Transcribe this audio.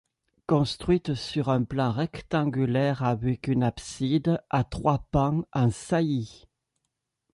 Construite au sur un plan rectangulaire avec une abside à trois pans en saillie.